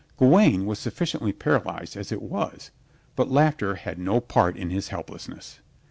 Gawaine was sufficiently paralyzed as it was, but laughter had no part in his helplessness.